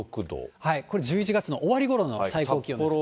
これ、１１月の終わりごろの最高気温です。